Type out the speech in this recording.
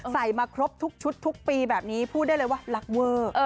มาครบทุกชุดทุกปีแบบนี้พูดได้เลยว่ารักเวอร์